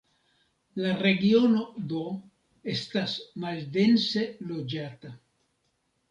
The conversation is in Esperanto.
La regiono do estas maldense loĝata.